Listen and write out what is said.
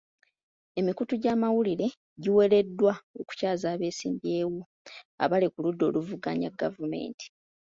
Emikutu gy'amawulire giwereddwa okukyaza abeesimbyewo abali ku ludda oluvuganya gavumenti.